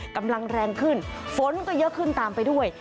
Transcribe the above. กำลังแรงขึ้นฝนก็เยอะขึ้นตามไปด้วย